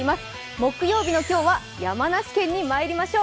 木曜日の今日は山梨県にまいりましょう。